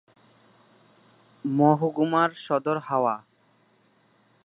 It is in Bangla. মহকুমার সদর হাওড়া।